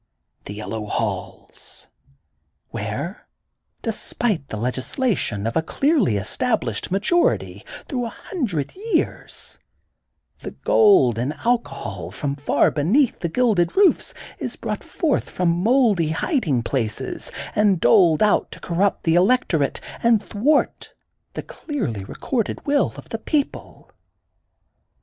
The Yellow Halls, where, despite the legislation of a clearly established majority, through a hundred years, the gold and alcohol from far beneath the gilded roofs, is brought forth from mouldy hiding places and doled out to corrupt the electorate and thwart the clearly recorded will of the people.